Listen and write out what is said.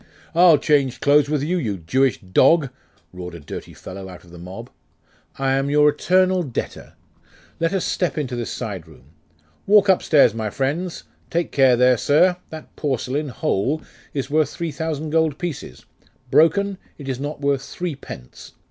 'I'll change clothes with you, you Jewish dog!' roared a dirty fellow out of the mob. 'I am your eternal debtor. Let us step into this side room. Walk upstairs, my friends. Take care there, sir! That porcelain, whole, is worth three thousand gold pieces: broken, it is not worth three pence.